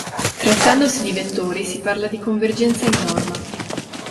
Trattandosi di vettori si parla di convergenza in norma.